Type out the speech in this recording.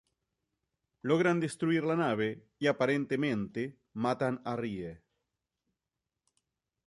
Logran destruir la nave, y aparentemente matan a Rie.